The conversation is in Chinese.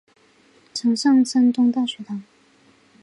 曾上山东大学堂。